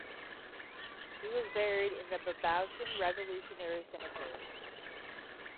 He was buried in the Babaoshan Revolutionary Cemetery.